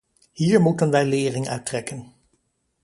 Hier moeten wij lering uit trekken.